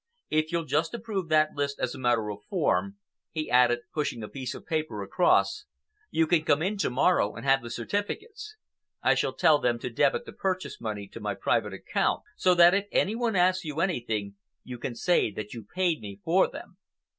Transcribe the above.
If you'll just approve that list as a matter of form," he added, pushing a piece of paper across, "you can come in to morrow and have the certificates. I shall tell them to debit the purchase money to my private account, so that if any one asks you anything, you can say that you paid me for them."